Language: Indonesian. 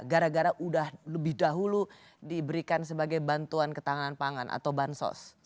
gara gara udah lebih dahulu diberikan sebagai bantuan ketahanan pangan atau bansos